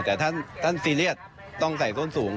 แต่ท่านซีเรียสต้องใส่ส้นสูง